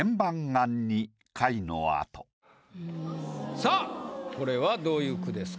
さぁこれはどういう句ですか？